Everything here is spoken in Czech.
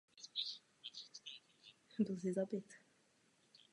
Ten si místní hrad velice oblíbil a nechal ho zrekonstruovat.